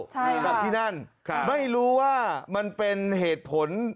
ใช่ครับที่นั่นไม่รู้ว่ามันเป็นเหตุผล